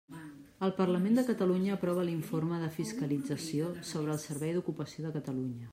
El Parlament de Catalunya aprova l'Informe de fiscalització, sobre el Servei d'Ocupació de Catalunya.